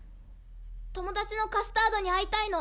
・友達のカスタードに会いたいの。